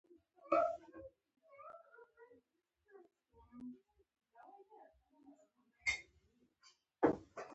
مړه ته د خدای خوا ته دعا کوو